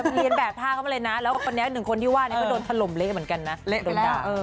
เพราะอะไรนะหนึ่งคนเดียวเท่านั้น